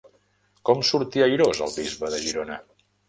Com sortí airós el bisbe de Girona?